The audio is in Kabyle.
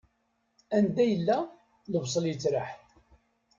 Anda yella, lebṣel yeţraḥ.